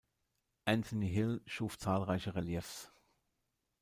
Anthony Hill schuf zahlreiche Reliefs.